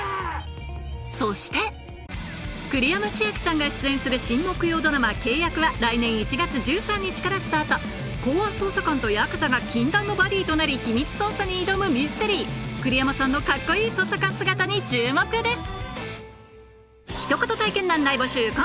そして栗山千明さんが出演する公安捜査官とヤクザが禁断のバディーとなり秘密捜査に挑むミステリー栗山さんのカッコいい捜査官姿に注目です